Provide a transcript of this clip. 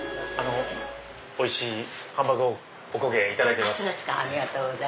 おいしいハンバーグ・おこげいただいてます。